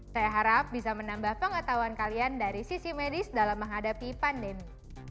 saya harap bisa menambah pengetahuan kalian dari sisi medis dalam menghadapi pandemi